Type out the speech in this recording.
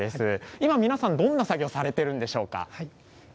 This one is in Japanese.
今、皆さんどんな作業をされているんですか。